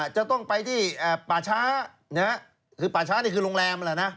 จะต้องไปที่ป่าช้าคือป่าช้านี่คือโรงแรมแหละนะ